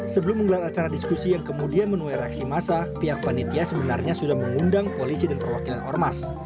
sebelum menggelar acara diskusi yang kemudian menuai reaksi massa pihak panitia sebenarnya sudah mengundang polisi dan perwakilan ormas